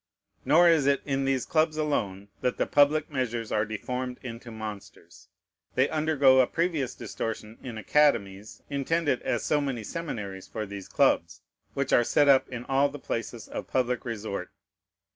Nor is it in these clubs alone that the public measures are deformed into monsters. They undergo a previous distortion in academies, intended as so many seminaries for these clubs, which are set up in all the places of public resort.